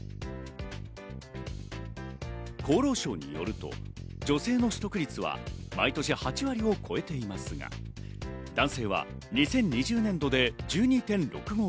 厚労省によると女性の取得率は毎年８割を超えていますが、男性は２０２０年度で１２．６５％。